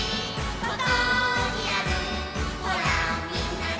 「ここにあるほらみんなで」